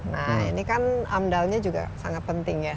nah ini kan amdalnya juga sangat penting ya